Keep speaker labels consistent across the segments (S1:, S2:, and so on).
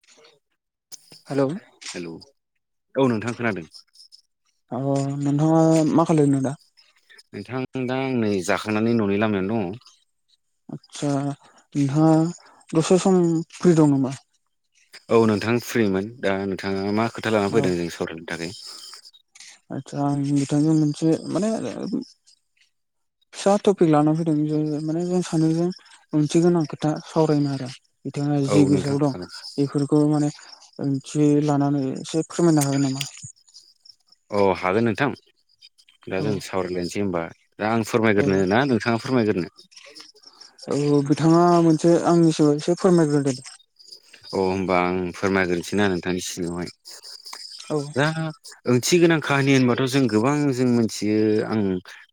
S1: औ [unintelligible]
S2: हेलौ औ नोंथां खोनादों।
S1: ओ नोंथाङा मा खालायदो नों दा?
S2: नोंथां दा आं नै जाखांनानै न'नि लामायानो दङ।
S1: आदसा नोंथाङा दसे सम फ्रि दं नामा?
S2: औ नोंथां फ्रिमोन। दा नोंथाङा मा खोथा लाना
S1: औ
S2: फैदों जों सावरायनो थाखाय?
S1: आदसा नोंथांजों मोनसे माने फिसा टपिक लाना फैदों जे माने जों सानैजों ओंथि गोनां खोथा सावरायनो आरो। बिथाङा
S2: औ
S1: जि गोसोआव
S2: नोंथां
S1: दं
S2: हागोन
S1: बेफोर बेखौ माने ओंथि लानानै एसे फोरमायनो हागोन नामा?
S2: औ हागोन नोंथां दा
S1: औ
S2: जों सावरायलायनोसै होमबा। दा आं
S1: औ
S2: फोरमायग्रोनो ना नोंथाङा फोरमायग्रोनो?
S1: औ बिथाङा मोनसे आंनिसिम एसे फोरमायग्रोदो।
S2: औ होनबा आं फोरमायग्रोनोसै ना नोंथां सिगाङावहाय
S1: औ
S2: दा ओंथि गोनां काहानि होनबाथ' जों गोबां जों मिथियो आं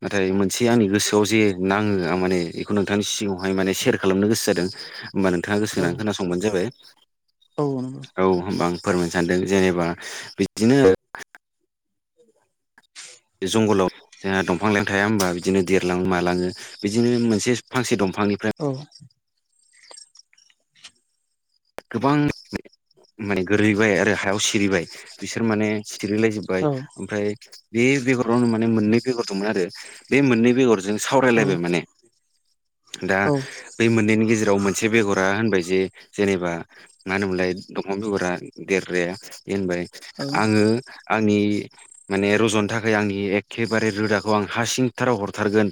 S2: नाथाय मोनसे आंनि गोसोआव जे नाङो आं माने बेखौ नोंथांनि सिगाङावहाय माने सेयार खालामनो गोसो जादों। होमबा नोंथाङा गोसो
S1: औ
S2: होनानै खोनासंबानो जाबाय
S1: औ नंगौ
S2: औ होमबा आं फोरमायनो सानदों जेनेबा बिदिनो
S1: बेनिफ्राय [inaudible]
S2: बे जंगलाव जोंहा दंफां-लाइफां थाया होमबा? बिदिनो देरलाङो मालाङो बिदिनो मोनसे फांसे दंफांनिफ्राय
S1: औ
S2: गोबां माने गोरलैबाय आरो हायाव सिरिबाय बिसोर माने सिरिलायजोब्बाय
S1: औ
S2: ओमफ्राय बे बेगरावनो माने मोननै बेगर दंमोन आरो बे मोननै बेगर जों
S1: औ
S2: सावरायलायबाय माने। दा
S1: औ
S2: बे मोननैनि गेजेराव मोनसे बेगरा होनबाय जे जेनेबा मा होनोमलाय दंफां बेगरा देरग्राया बे होनबाय
S1: औ
S2: आङो आंनि माने रज'नो थाखाय आंनि एखेबारे रोदाखौ आं हासिंथाराव हरथारगोन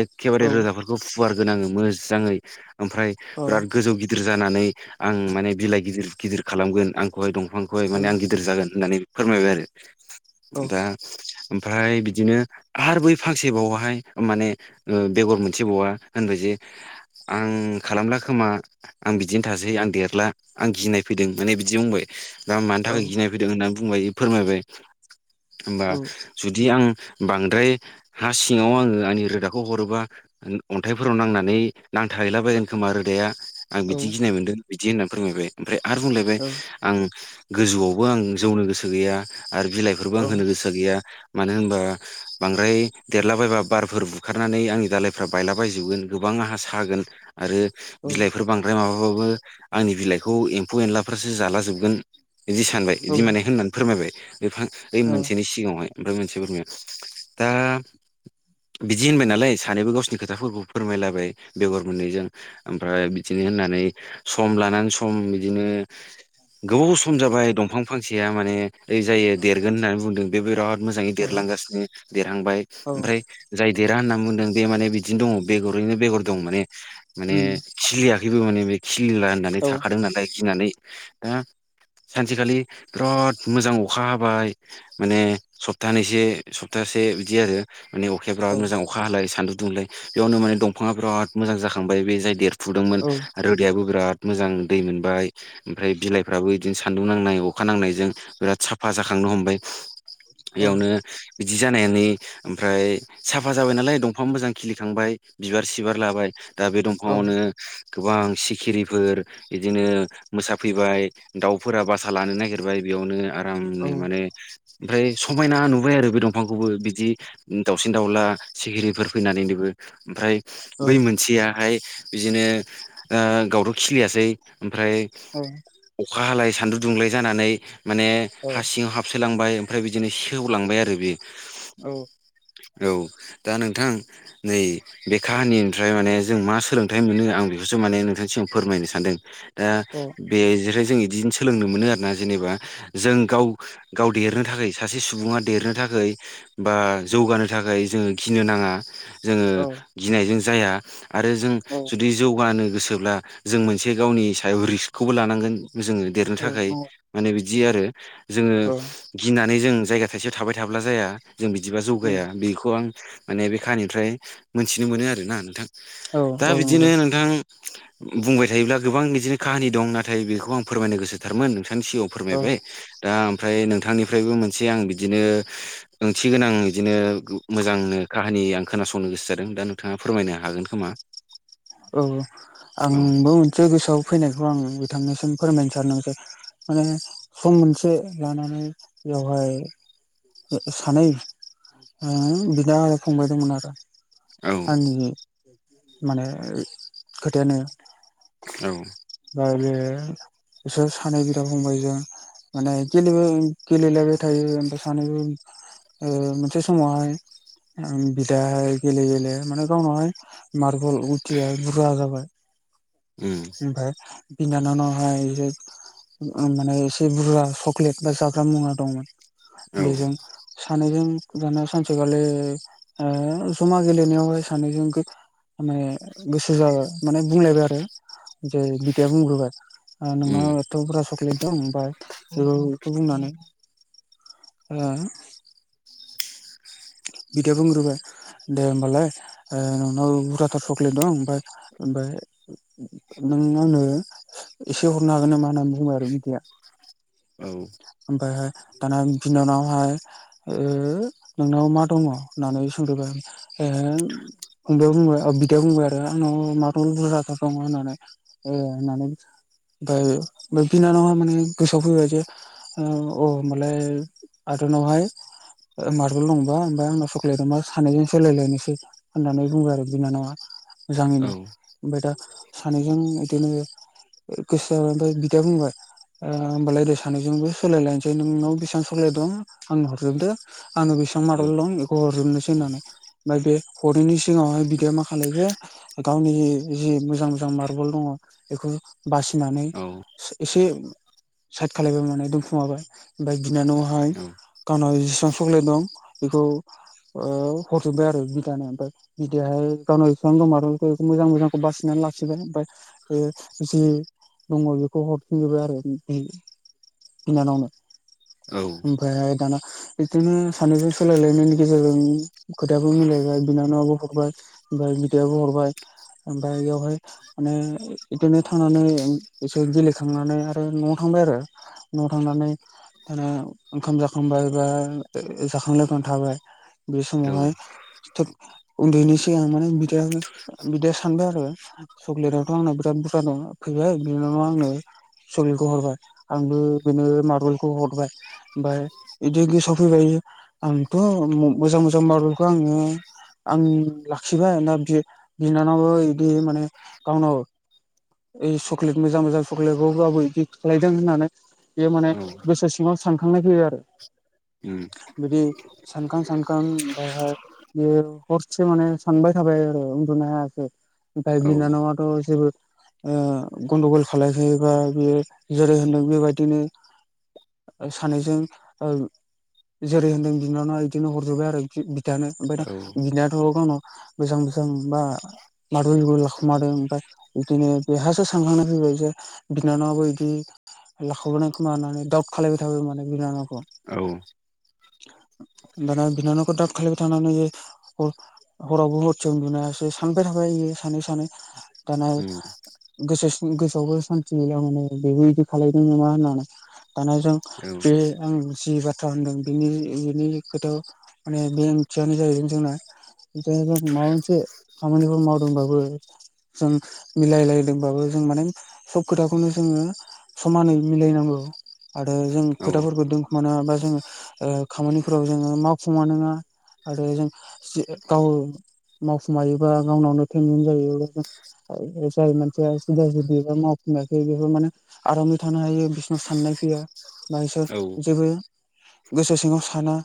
S2: एग खेबारे रोदाफोरखौ फुवारगोन आङो मोजाङै ओमफ्राय
S1: औ
S2: बिराद गोजौ गिदिर जानानै आं माने बिलाइ गिदिर गिदिर खालामगोन आंखौहाय दंफांखौहाय
S1: औ
S2: माने आं गिदिर जागोन होननानै फोरमायबाय
S1: औ
S2: आरो दा ओमफ्राय बिदिनो आरो बै फांसेबावहाय माने ओ बेगर मोनसेबवा होनबाय जे आं खालामला खोमा आं बिदिनो थासै आं देरला आं गिनाय फैदों माने बिदि बुंबाय दा मानि
S1: औ
S2: थाखाय गिनाय फैदों होननानै बुंबाय फोरमायबाय होमबा जुदि आं बांद्राय हा सिङाव आङो आंनि रोदाखौ हरोबा अन्थाइफोराव नांनानै नांथाहैलाबायगोन खोमा रोदाया आं
S1: औ
S2: बिदि गिनाय मोनदों बिदि होनना फोरमायबाय ओमफ्राय आरो बुंलायबाय आं गोजौआवबो आं जौनो गोसो गैया आरो बिलाइफोरबो आं होनो गोसो गैया। मानि होनबा बांद्राय देरलाबायबा बारफोर बुखारनानै आंनि दाालायफ्रा बायलाबायजोबगोन गोबां आंहा सागोन आरो बिलाइफोर बांद्राय माबाबाबो आंनि बिलाइखौ एम्फौ एनलाफ्रासो जाला जोबगोन। बिदि सानबाय
S1: औ
S2: बिदि माने होननानै फोरमायबाय बे फां बोय मोनसेनि सिगाङावहाय। ओमफ्राय मोनसेफोरुरमायाया दा [unintelligible] [unintelligible] बिदि होनबाय नालाय सानैबो गावसिनि खोथाफोरखौ फोरमायलाबाय बेगर मोननैजों। ओमफ्राय बिदिनो होननानै सम लानानै सम बिदिनो गोबाव सम जाबाय दंफां फांसेया माने ओ जायो देरगोन होननानै बुंदों बेबो बिराद मोजाङै
S1: औ
S2: देरलांगासिनो देरहांबाय
S1: औ
S2: ओमफ्राय जाय देरा होनना बुंदों बे माने बिदिनो दङ बेगरैनो बेगर दं। माने माने
S1: उम
S2: खिलियाखैबो माने बे खिलिला होननानै
S1: औ
S2: थाखादों नालाय गिनानै। ओ सानसेखालि बिराद मोजां अखा हाबाय माने सप्तानैसे सप्तासे बिदि आरो माने अखाया बिराद
S1: औ
S2: मोजां अखा हालाय सान्दुं दुंलाय बेयावनो माने दंफाङा बिराद मोजां जाखांबाय बे जाय देरफुदोंमोन।
S1: औ
S2: रोदैाबो बिराद मोजां दै मोनबाय ओमफ्राय बिलाइफ्राबो बिदिनो सानदुं नांनाय अखा नांनायजों बिराद साफा जाखांनो हमबाय।
S1: औ
S2: इयावनो बिदि जानायनि ओमफ्राय साफा जाबाय नालाय दंफां मोजां खिलिखांबाय बिबार सिबार लाबाय। दा बे दंफाङावनो गोबां सिखिरिफोर बिदिनो मोसाफैबाय दाउफोरा बासा लानो नागिरबाय बेयावनो। आरामनो माने ओमफ्राय समायना नुबाय आरो बे दंफांखौबो बिदि दाउसिन दाउला सिखिरिफोर फैनानैनोबो। ओमफ्राय बै मोनसेयाहाय बिदिनो ओ गावथ' खिलियासै ओमफ्राय अखा हालाय सान्दुं दुंलाय जानानै माने हा सिं हाब सोलांबाय ओमफ्राय बिदिनो सेवलांबाय आरो बे।
S1: औ
S2: औ दा नोंथां नै बे काहानिनिफ्राय माने जों मा सोलोंथाइ मोनो आं बे खौसो माने नोंथांनि सिगा़आव फोरमायनो सानदों। दा
S1: औ
S2: बे जिरि जों इदिनो सोलोंनो मोनो आरोना जेनेबा जों गाव गाव देरनो थाखाय सासे सुबुङा देरनो थाखाय बा जौगानो थाखाय जोङो गिनो नाङा। जोङो गिनायजों जाया आरो जों जुदि गानो गोसोब्ला जों मोनसे गावनि सायाव रिस्कखौबो लानांगोन जोङो देरनो थाखाय।
S1: नंगौ औ उम औ
S2: माने बिदि आरो जोङो गिनानै जों जायगा थाइसेयाव थाबाय थाब्ला जाया। जों बिदिबा जौगाया बेखौ आं माने बे कानिफ्राय मोनथिनो मोनो आरोना नोंथां।
S1: औ
S2: दा
S1: औ
S2: बिदिनो
S1: नंगौ
S2: नोंथां बुंबाय थायोब्ला गोबां बिदिनो काहानि दं नाथाय बेखौ आं फोरमायनो गोसोथारमोन नोंथांनि सिाङाव
S1: औ
S2: फोरमायबाय। दा ओमफ्राय नोंथांनिफ्रायबो मोनसे आं बिदिनो ओंथि गोनां बिदिनो मोजांनो काहानि आं खोनासंनो गोसो जादों दा नोंथाङा फोरमायनो हागोन खोमा।
S1: औ
S2: औ
S1: आंबो मोनसे गोसोआव फैनायखौ आं बिथांनिसिम फोरमायनो सारदोंसै। उम सम मोनसे लानानै बेवहाय सानै ओ बिदा आरो फंबायदोंंमोन आरो।
S2: औ
S1: आंनि माने खोथायानो
S2: ओं
S1: दा बे बिसोर सानै बिदा बुंबाय जों माने गेलेयो गेले लायबाय थायो ओमफाय सानैबो ओ मोनसे समावहाय ओम बिदा गेले गेले माने गावनावहाय मार्बल गुथिया बुरजा जाबाय
S2: ओम
S1: ओमफाय बिनानावनावहाय ओ माने एसे बुरजा चक्लेट बा जाग्रा मुवा
S2: औ
S1: दंमोन। बेजों सानैजों दाना सानसेखालि ओ जमा गेलेनायावहाय सानैजोंखो माने गोसो जाबाय माने बुंलायबाय आरो जाय बिदाया बुंग्रोबाय ओ
S2: उम
S1: नोंनाव ग'थ'फोरा सक्लेत दं बा ओ इखो बुंनानै ओ बिदाया बुंग्रोबाय। दे होमबालाय ओ नोंनाव बुरजाथार सक्लेट दं ओमफाय ओमफाय नों आंनो एसे हरनो हागोन नामा होननानै बुंङो आरो बिदाया।
S2: औ।
S1: ओमफायहाय दाना बिनानावाहाय ओ नोंनाव मा दङ होननानै सोंफैबाय आरो। ओ फंबाया बुंबाय ओ बि बिदाया बुंबाय आरो आंनाव मारबल बुरजाथार दङ होननानै ओ होननानै। ओमफाय बिनानावा माने गोसोआव फैबाय जे ओ अ होमबालाय आदानावहाय ओ मार्बल दंबा ओमफाय आंनाव सक्लेत दंबा सानैजों सोलायलायनोसै। होननानै बुङो आरो बिनानावा
S2: औ
S1: मोजाङैनो ओमफाय दा सानैजों इदिनो गोसो जाबाय ओमफाय बिदा बुंबाय ओ होमबालाय दे सानै जोंबो सोलायलायनोसै नोंनाव बिसां सक्लेत दं आंनो हरजोबदो। आङो बिसिबां मारबल दं बेखौ हरजोबनोसै होननानै ओमफाय बे हरैनि सिगाङावहाय बि यो मा खालायखो गावनि जि मोजां मोजां मारबल दङ बेखौ बासिनानै
S2: औ
S1: सि एसे साइद खालायबाय माने दोनखुमाबाय ओमफाय बिनानावा ओमफाय
S2: औ
S1: गावनाव जिसिबां सक्लेत दं बिखौ ओ हरजोबबाय आरो बिदानो ओमफाय बिदाहाय गावनाव बिसां दं मारबलखो इखो मोजां मोजांखौ बासिनानै लाखिबाय ओमफाय बे जि दङ बेखौ हरफिनजोबाय आरो। बिनानावनो
S2: औ
S1: ओमफाय दाना बिदिनो सानैजों सोलायलायनायनि गेजेरजों खोथायाबो मिलायबाय बिनानावावबो हरबाय। ओमफाय बिदायाबो हरबाय ओमफाय इयावहाय माने इदिनो थांनानै इसोर गेलेखांनानै आरो न'आव थांबाय आरो। न'आव थांनानै दाना ओंखाम जाखांबाय बा जाखां लोंखां थाबाय। बे
S2: औ
S1: समावहाय थ उन्दुयिनि सिगां माने बिदायाबो बिदाया सानबाय आरो। सक्लेटआथ' आंना बिराद बुरजा दं फैबाय बिनानावा आंनो। सक्लेतखौ हरबाय आंबो बिनो मारबलखौ हरबाय। ओमफाय इदि गोसोआव फैबाय इयो आंथ' मोजां मोजां मारबलखो आङो आंनि लाखिबाय दा बि-बिनानावो इदि माने गावनाव ऐ सक्लेट मोजां मोजां चक्लेटखौ गावबो इदि खालायदों होननानै बेयो माने
S2: औ
S1: गोसो सिङाव सानखांनाय फैयो आरो
S2: उम
S1: बिदि सानखां सानखां ओमफायहाय बेयो हरसे माने सानबाय थाबाय आरो उन्दुनो हायाखै। ओमफाय
S2: औ
S1: बिनानावाथ' जेबो ओ गनदगल खालायाखै बा बियो जेरै होनदों बेबायदिनो सानैजों ओ जेरै होनदों बिनानाव इदिनो हरजोबबाय आरो। बिदानो ओमफाय दा
S2: औ
S1: बिनाथ'' गावनाव गोजाम गोजाम बा मारबलखौ लाखोमादों ओमफ्राय बिदिनो बेहासो सानखांनाय फैबाय जे बिनानावाबो इदि लाखोमादों खोमा होनना दावट खालायबाय थाबाय माने बिनानावखौ।
S2: औ।
S1: दाना बिनानावखौ दाउट खालायबाय थानानै हरावबो हटसे उनदुनो हायासै सानबाय थाबाय इयो सानै सानै दाना गोसो सिं गोसोआवबो सान्थि गैल माने बेबो इदि खालायदों नामा होननानै। दाना जों बे आं जि बाथ् थ्रा होनदों बेनि बेनि खोथायाव माने बे ओंथियानो जाहैदों जोंना जे जों माबा मोनसे खामानिफोर मावदोंबाबो जों मिलायलायदोंबाबो जों माने सब खोथाखौनो जोङो समानै मिलायनांगौ आरो जों खोथाफोरखौ दोनखुमान बा जों ओ खामानिफोराव जोङो मावफा नङा आरो जों जि गाव मावसोमायोबा गावनावनो टेनसन जायोब्लाों जाय मानसिया सिदा जुदा मावफिाखै बेफोर माने आरामै थानो हायो। साननाय फैया बा बिसोर जेबो गोसो सिङाव साना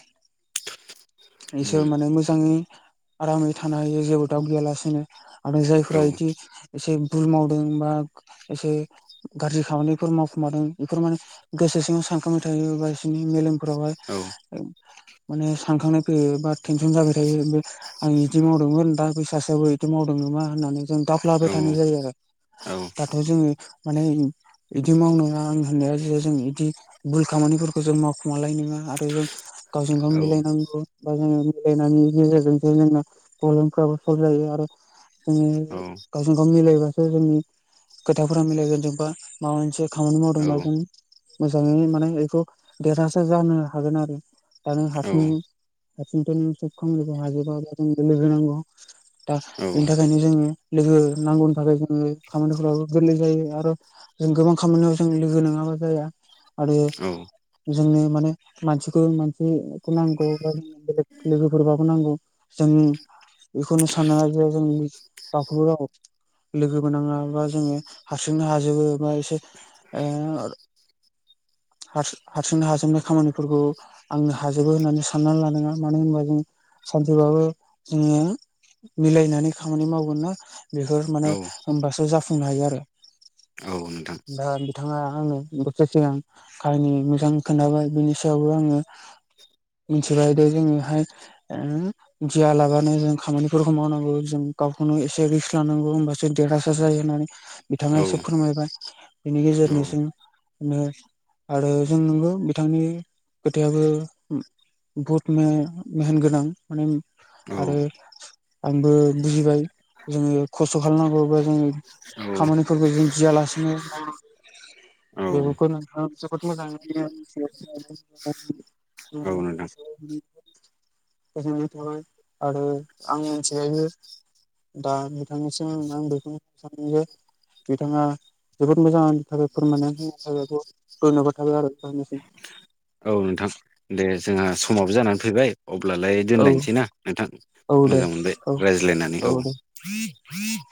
S1: इसोर माने मोजाङै आरामै थानो हायो जेबो दाव गैयालासिनो आरो जायफ्रोरा इदि एसे भुल मावदों बा एसे गाज्रि खामानिफोर मावखुमादों बेफोर माने गोसो सिङाव सानखांबाय थायोबा बिसोरनि मेलेमफोरावहाय माने सानखांनाय फैयो बा टेनसन जाबाय थायो बे आं बिदि मावदोंमोन दा फैसासेआबो बिदि मावदों नामा होननानै जों दाफ्लाबाय थानाय जायो आरो दाथ' जोङो माने बिदि मावनाङा होननाया जे जों बिदि भुल खामानिफोरखौ जों मावखुमालाय नङा आरो जों गावजों गाव मिलायनांगौ बा जोङो मिलायनायनि गेजेरजोंसो जोङो प्रब्लेमफ्राबो सल्भ जायो आरो जोङो गावजों गाव मिलायबासो जोंनि खोथाफोरा मिलायगोन जोंबा माबा मोनसे खामानि मावदोंबा उम मोजाङै माने बेखौ देरहासार जानो हागोन आरो आं हारसिं [unintelligible] लोगो नांगौ। दा बेनि थाखायनो जोङो लोगो नांगौनि थाखाय जोङो खामानिफोराबो गोरलै जायो आरो जों गोबां खामानियाव जों लोगो नङाबा जाया आरो जोंनो माने मानसिखौ मानसिखौ नांगौ बो लोगोफोरबाबो नांगौ जोंनि इखौनो साना ज' जोंनि [unintelligible] लोगोबो नाङाबा जोङो हारसिंनो हाजोबो बा एसे आ हार हारसिंनो हाजोबनाय खामानिफोरखौ आंनो हाजोबो होननानै साननानै लानाङा मानो होनबा जों सानसेबाबो जोङो मिलायनानै खामानि मावगोन ना बेफोर
S2: औ
S1: माने होनबासो जाफुंनो हायो आरो
S2: नोंथां
S1: दा बिथाङा आंनो बोसोर सिगां खाहानि मोजां खोन्थाबाय बिनि सायावबो आङो मिथिबाय दे जोङोहाय गिया लाबानो जों खामानिफोरखौ मावनांगौ जों गावखौनो एसे रिस्क लानांगौ होमबासो देरहासार जायो होननानै
S2: औ
S1: बिथाङा एसे फोरमायबाय बिनि गेजेरनोसिं ने आरो जों नंगौ बिथांनि खोथायाबो बहुतने मेहनगोनां माने
S2: औ
S1: आरो आंबो बुजिबाय जोङो खस्थ' खालामनांगौबा जोङो खामानिफोरखौ जों गियालासिनो बेफोरखौ नोंथाङा जोबोद मोजाङै मिथि
S2: औ नोंथां
S1: [unintelligible] [unintelligible] थाबाय आरो आं मोनथियो। दा नोंथांनिसिम आं बेखौनो सानो जे बिथाङा जोबोद मोजां आंनि थाखाय फोरमायना होन थायो दयनबाथ थायो आरो बयनिसिमबो
S2: औ नोंथां दे जोंहा समाबो जानानै फैबाय अब्लालाय
S1: औ
S2: दोनलायनोसै ना नोंथां
S1: औ दे
S2: मोजां मोनबाय
S1: औ
S2: रायज्लायनानै औ [inaudible]